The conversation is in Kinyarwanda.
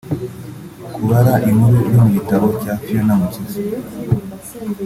kubara inkuru iri mu gitabo cya Fiona Mukiza